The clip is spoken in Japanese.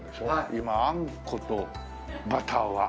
今あんことバターは合うよね。